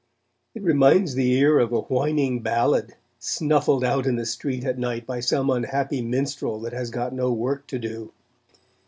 It reminds the ear of a whining ballad snuffled out in the street at night by some unhappy minstrel that has got no work to do.